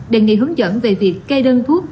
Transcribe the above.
đề nghị hướng dẫn về việc cây đơn thuốc